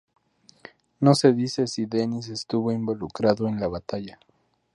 No se dice si Dennis estuvo involucrado en la batalla.